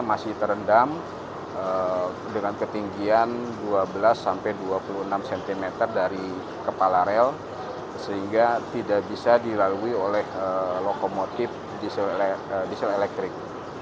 masih terendam dengan ketinggian dua belas sampai dua puluh enam cm dari kepala rel sehingga tidak bisa dilalui oleh lokomotif diesel elektrik